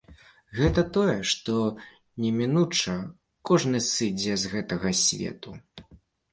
Гэта тое, што немінуча кожны сыдзе з гэтага свету.